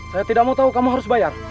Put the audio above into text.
saya tidak mau tahu kamu harus bayar